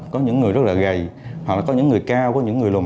có những người rất là gầy hoặc là có những người cao có những người lùm